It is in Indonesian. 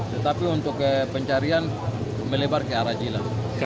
tetapi untuk pencarian melebar ke arah jila